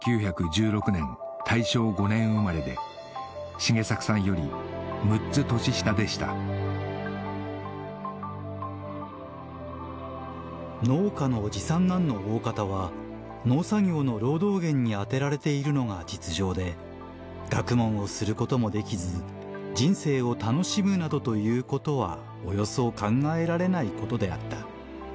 繁作さんより６つ年下でした「農家の次三男の大方は農作業の労働源に当てられているのが実情で学問をすることもできず人生を楽しむなどということはおよそ考えられないことであった。